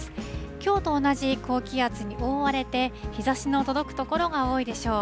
きょうと同じ高気圧に覆われて、日ざしの届く所が多いでしょう。